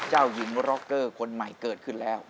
เจ้าหญิงร็อกเกอร์คนใหม่เกิดขึ้นแล้ว